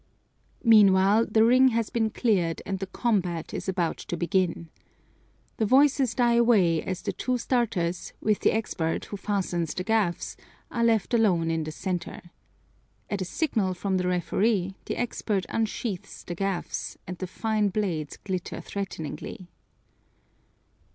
Meanwhile, the ring has been cleared and the combat is about to begin. The voices die away as the two starters, with the expert who fastens the gaffs, are left alone in the center. At a signal from the referee, the expert unsheathes the gaffs and the fine blades glitter threateningly.